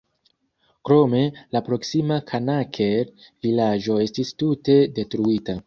Krome, la proksima Kanaker-vilaĝo estis tute detruita.